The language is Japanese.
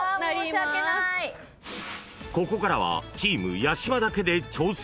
［ここからはチーム八嶋だけで挑戦］